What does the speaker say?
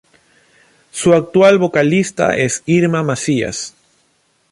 Su actual vocalista es Irma Macías.